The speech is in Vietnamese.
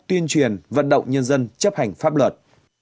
tuyên truyền vận động nhân dân chấp hành pháp luật